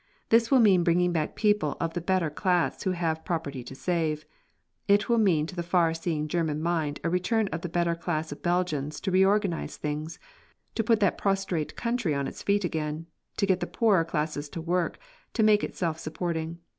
This will mean bringing back people of the better class who have property to save. It will mean to the far seeing German mind a return of the better class of Belgians to reorganise things, to put that prostrate country on its feet again, to get the poorer classes to work, to make it self supporting.